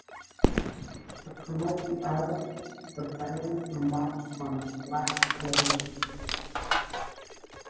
To promote the album, the band embarked on the Black Celebration Tour.